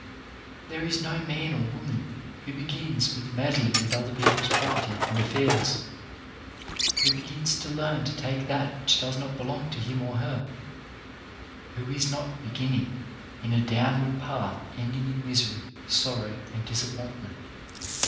There is no man or woman who begins with meddling with other people's property and affairs, who begins to learn to take that which does not belong to him or her, who is not begin ning in a downward path ending in misery, sorrow and disappointment.